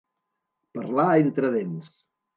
Parlar entre dents.